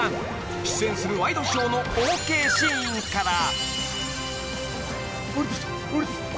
［出演するワイドショーのＯＫシーンから］